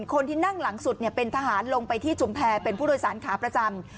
คนที่นั่งหลังสุดเป็นทหารลงไปที่ชุมแพรเป็นผู้โดยสารขาประจำ